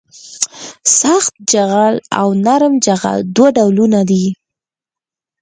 سخت جغل او نرم جغل دوه ډولونه دي